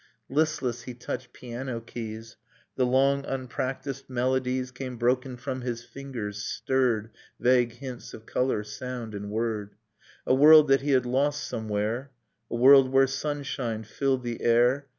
Listless, he touched piano keys: The long unpractised melodies Came broken from his fingers, stirred Vague hints of color, sound and word, A world that he had lost somewhere, A world where sunshine filled the air